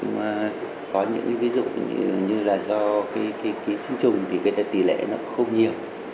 mà có những ví dụ như là do cái sinh trùng thì cái tỷ lệ nó không nhiều